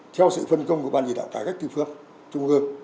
theo sự phân công của ban chỉ đạo cải cách tư phương trung ương